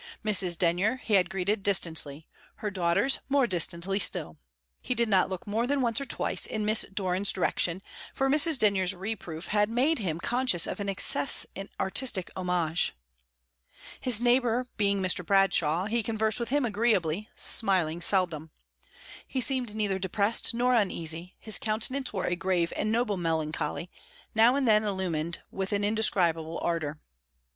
Mrs. Denyer he had greeted distantly; her daughters, more distantly still. He did not look more than once or twice in Miss Doran's direction, for Mrs. Denyer's reproof had made him conscious of an excess in artistic homage. His neighbour being Mr. Bradshaw, he conversed with him agreeably, smiling seldom. He seemed neither depressed nor uneasy; his countenance wore a grave and noble melancholy, now and then illumined with an indescribable ardour.